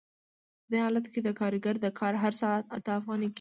په دې حالت کې د کارګر د کار هر ساعت اته افغانۍ کېږي